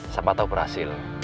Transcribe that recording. siapa tau berhasil